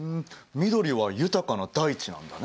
緑は豊かな大地なんだね。